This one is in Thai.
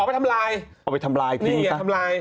ขอไปทำลายนี่ไงทำลาย